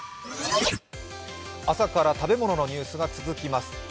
朝から食べ物のニュースが続きます。